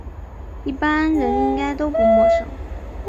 一般人应该都不陌生